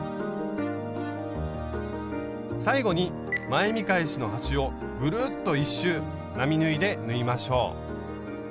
最後に前見返しの端をグルッと１周並縫いで縫いましょう。